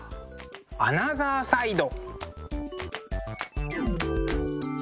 アナザーサイド。